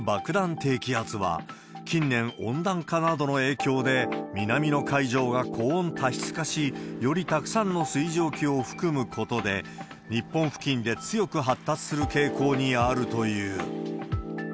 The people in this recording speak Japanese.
低気圧は、近年、温暖化などの影響で南の海上が高温多湿化し、よりたくさんの水蒸気を含むことで、日本付近で強く発達する傾向にあるという。